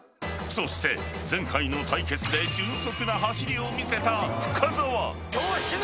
［そして前回の対決で俊足な走りを見せた深澤］